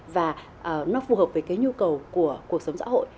và nó phù hợp với cái nhu cầu của cuộc sống xã hội